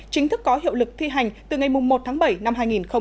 chính thức có hiệu lực thi hành từ ngày một tháng bảy năm hai nghìn hai mươi